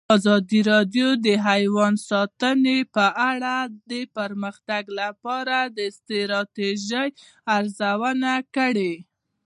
ازادي راډیو د حیوان ساتنه په اړه د پرمختګ لپاره د ستراتیژۍ ارزونه کړې.